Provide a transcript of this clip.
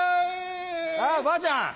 あぁばあちゃん。